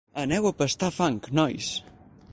Aneu a pastar fang, nois!